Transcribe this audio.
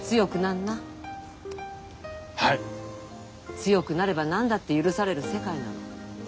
強くなれば何だって許される世界なの。